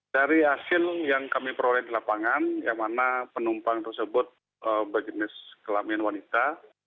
dari hasil yang kami peroleh di lapangan yang mana penumpang tersebut berjenis kelamin wanita